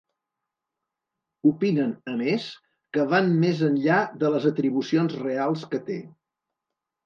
Opinen, a més, que van més enllà de les atribucions reals que té.